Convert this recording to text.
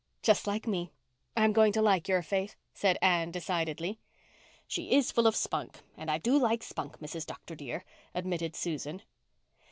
"Just like me. I'm going to like your Faith," said Anne decidedly. "She is full of spunk—and I do like spunk, Mrs. Dr. dear," admitted Susan.